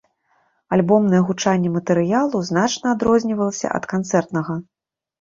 Альбомнае гучанне матэрыялу значна адрознівалася ад канцэртнага.